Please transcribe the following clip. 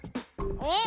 えっ？